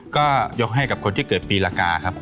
ก็ยกให้กับคนที่เกิดปีละกาครับ